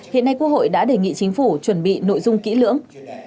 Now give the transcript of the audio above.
hiện nay quốc hội đã đề nghị chính phủ chuẩn bị nội dung kỹ lưỡng